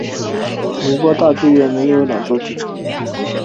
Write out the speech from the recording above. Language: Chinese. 宁波大剧院设有两座剧场。